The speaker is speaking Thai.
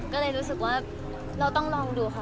ก็เรายังที่บอกอ่ะ